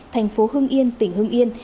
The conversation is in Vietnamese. thành phố hưng yên tỉnh hưng yên